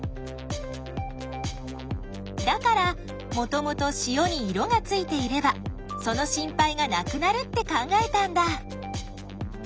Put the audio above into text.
だからもともと塩に色がついていればその心配がなくなるって考えたんだ。